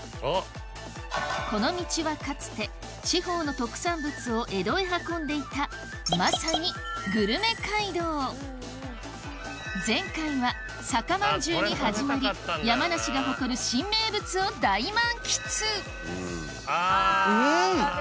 この道はかつて地方の特産物を江戸へ運んでいたまさに前回は酒まんじゅうに始まり山梨が誇る新名物を大満喫うん！